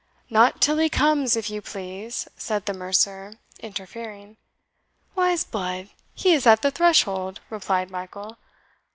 "Not till he comes, if you please," said the mercer, interfering. "Why, 'sblood, he is at the threshold," replied Michael.